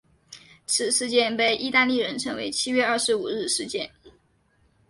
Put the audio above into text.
此事件被意大利人称为七月二十五日事件。